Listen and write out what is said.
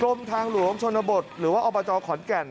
ทางหลวงชนบทหรือว่าอบจขอนแก่น